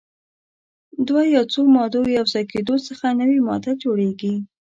د دوه یا څو مادو یو ځای کیدو څخه نوې ماده جوړیږي.